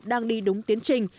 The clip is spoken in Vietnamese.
đang đi đúng tiến trình